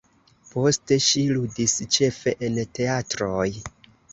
Poste ŝi ludis ĉefe en teatroj.